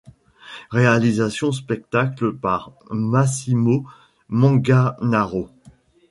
Réalisation spectacles par Massimo Manganaro.